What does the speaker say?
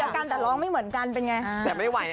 แล้วกันแต่ร้องไม่เหมือนกันเป็นไง